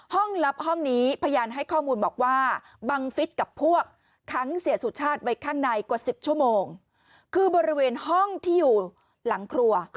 ลับห้องนี้พยานให้ข้อมูลบอกว่าบังฟิศกับพวกค้างเสียสุชาติไว้ข้างในกว่า๑๐ชั่วโมงคือบริเวณห้องที่อยู่หลังครัว